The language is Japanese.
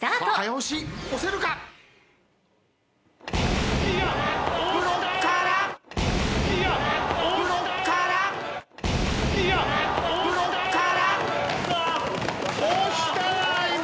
押した今。